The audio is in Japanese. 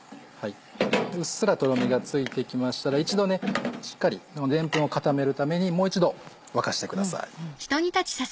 うっすらとろみがついてきましたら一度しっかりでんぷんを固めるためにもう一度沸かしてください。